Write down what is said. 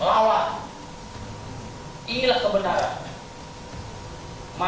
meragukan efektivitas kunjungan ini untuk memperoleh informasi